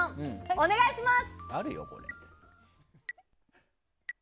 お願いします。